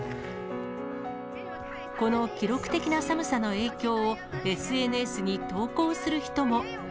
この記録的な寒さの影響をＳＮＳに投稿する人も。